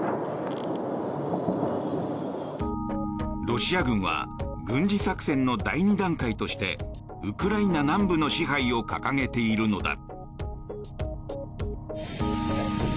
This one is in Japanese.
ロシア軍は軍事作戦の第２段階としてウクライナ南部の支配を掲げているのだ。